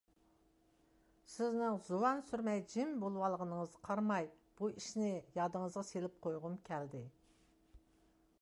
سىزنىڭ زۇۋان سۈرمەي جىم بولۇۋالغىنىڭىزغا قارىماي بۇ ئىشىنى يادىڭىزغا سېلىپ قويغۇم كەلدى.